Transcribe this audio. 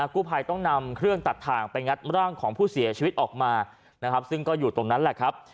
กู้ภัยต้องนำเครื่องตัดถ่างไปงัดร่างของผู้เสียชีวิตออกมานะครับซึ่งก็อยู่ตรงนั้นแหละครับ